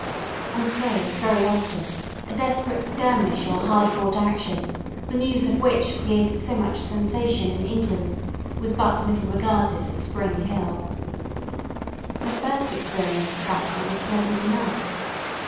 And so very often a desperate skirmish or hard fought action, the news of which created so much sensation in England, was but little regarded at Spring Hill. My first experience of battle was pleasant enough.